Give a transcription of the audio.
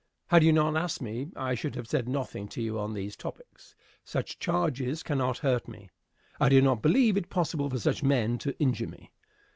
Had you not asked me I should have said nothing to you on these topics. Such charges cannot hurt me. I do not believe it possible for such men to injure me.